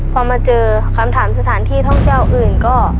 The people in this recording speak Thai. พอมาเจอคำถามสถานที่ท่องเที่ยวอื่นก็